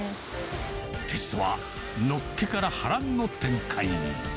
テストはのっけから波乱の展開に。